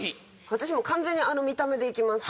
私もう完全にあの見た目でいきます。